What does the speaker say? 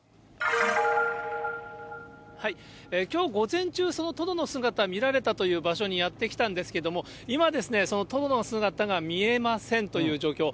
きょう午前中、そのトドの姿見られたという場所にやって来たんですけれども、今ですね、そのトドの姿が見えませんという状況。